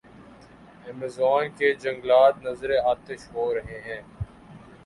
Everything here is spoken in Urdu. ایمیزون کے جنگلات نذرِ آتش ہو رہے ہیں۔